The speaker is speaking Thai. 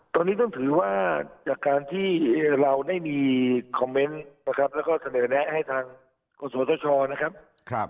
ตอนนี้ต้องถือว่าจากการที่เราได้มีคอมเมนต์นะครับแล้วก็เสนอแนะให้ทางกศธชนะครับ